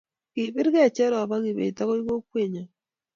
kibirgeii Cherop ago Kibet agoi kekwongyo